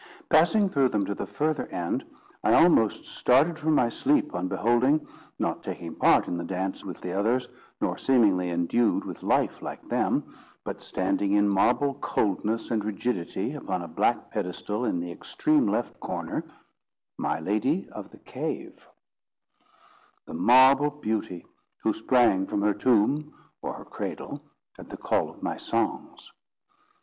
Passing through them to the further end, I almost started from my sleep on beholding, not taking part in the dance with the others, nor seemingly endued with life like them, but standing in marble coldness and rigidity upon a black pedestal in the extreme left corner—my lady of the cave; the marble beauty who sprang from her tomb or her cradle at the call of my songs.